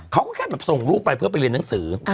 เขาก็แค่แบบส่งลูกไปเพื่อไปเรียนหนังสือ